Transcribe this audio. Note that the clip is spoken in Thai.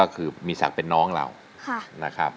ก็คือมีศักดิ์เป็นน้องเรานะครับ